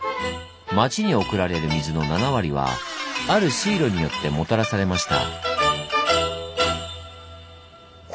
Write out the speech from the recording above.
町に送られる水の７割はある水路によってもたらされました。